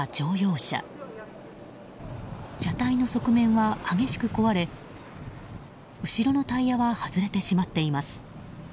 車体の側面は激しく壊れ後ろのタイヤは外れてしまっています。